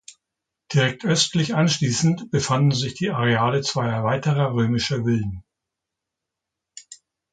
Direkt östlich anschließend befanden sich die Areale zweier weiterer römischer Villen.